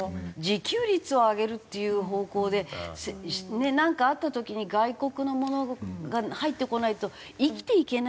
自給率を上げるっていう方向でねえなんかあった時に外国のものが入ってこないと生きていけないっていう日本を。